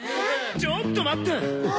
「ちょっと待った」